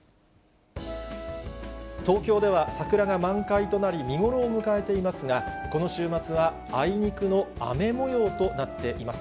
東京では桜が満開となり、見頃を迎えていますが、この週末はあいにくの雨もようとなっています。